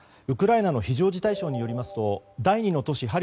ウクライナの非常事態省によりますと第２の都市